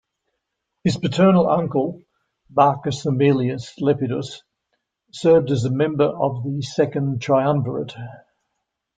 His paternal uncle Marcus Aemilius Lepidus served as member of the Second Triumvirate.